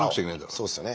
そうですよね。